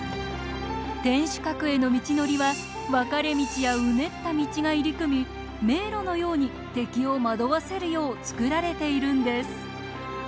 天守閣への道のりは分かれ道やうねった道が入り組み迷路のように敵を惑わせるようつくられているんです。